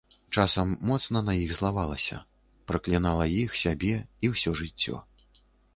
Часам моцна на іх злавалася, праклінала іх, сябе, і ўсё жыццё.